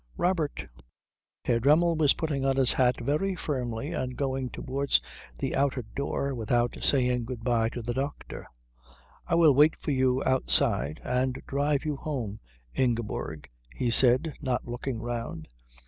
Robert " Herr Dremmel was putting on his hat very firmly and going towards the outer door without saying good bye to the doctor. "I will wait for you outside and drive you home, Ingeborg," he said, not looking round.